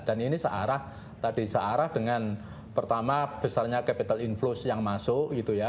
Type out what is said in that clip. dan ini searah tadi searah dengan pertama besarnya capital inflows yang masuk gitu ya